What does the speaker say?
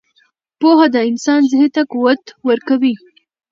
• پوهه د انسان ذهن ته قوت ورکوي.